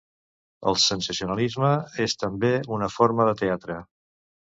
El sensacionalisme és també una forma de teatre.